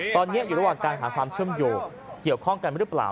ตอนนี้อยู่ระหว่างการหาความเชื่อมโยงเกี่ยวข้องกันหรือเปล่า